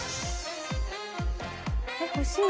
えっ欲しい。